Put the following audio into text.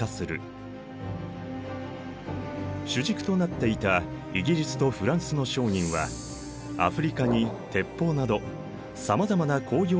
主軸となっていたイギリスとフランスの商人はアフリカに鉄砲などさまざまな工業製品を輸出。